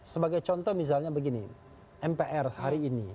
sebagai contoh misalnya begini mpr hari ini